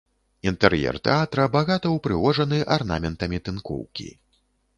Інтэр'ер тэатра багата ўпрыгожаны арнаментамі тынкоўкі.